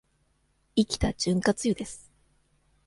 生きた潤滑油です。